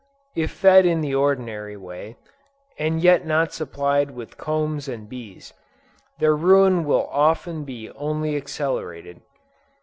If fed in the ordinary way, and yet not supplied with combs and bees, their ruin will often be only accelerated.